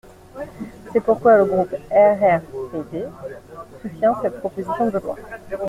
C’est pourquoi le groupe RRDP soutient cette proposition de loi.